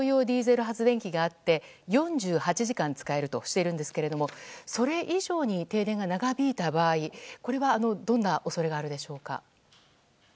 ディーゼル発電機があって４８時間使えるとしているんですけれどもそれ以上に停電が長引いた場合どんな恐れがあるでしょうか？